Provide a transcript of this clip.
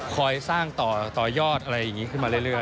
สร้างต่อยอดอะไรอย่างนี้ขึ้นมาเรื่อย